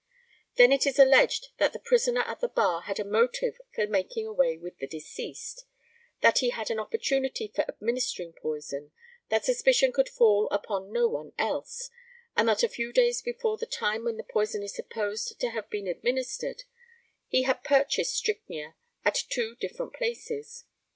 Then it is alleged that the prisoner at the bar had a motive for making away with the deceased, that he had an opportunity of administering poison, that suspicion could fall upon no one else, and that a few days before the time when the poison is supposed to have been administered he had purchased strychnia at two different places.